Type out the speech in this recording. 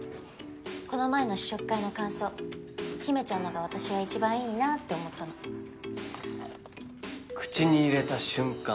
この前の試食会の感想陽芽ちゃんのが私は一番いいなって思ったの「口に入れた瞬間